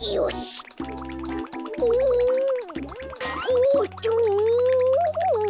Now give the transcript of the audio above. おっとお。